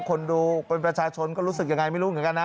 คนดูเป็นประชาชนก็รู้สึกยังไงไม่รู้เหมือนกันนะ